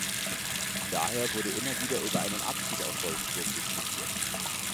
Daher wurde immer wieder über einen Abschied aus Wolfsburg diskutiert.